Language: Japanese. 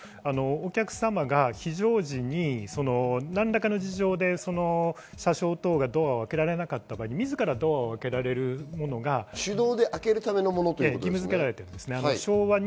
お客様が非常時に何らかの事情で車掌等がドアを開けられなかった場合、自らドアを開けられるもの手動で開けるためのものですね。